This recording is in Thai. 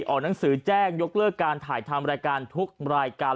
ออกหนังสือแจ้งยกเลิกการถ่ายทำรายการทุกรายการ